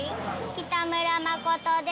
北村誠です。